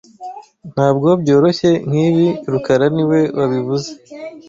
Ntabwo byoroshye nkibi rukara niwe wabivuze